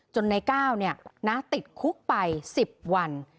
ในก้าวติดคุกไป๑๐วัน